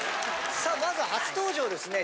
さあまずは初登場ですね。